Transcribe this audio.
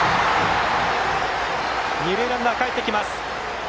二塁ランナー、かえってきます。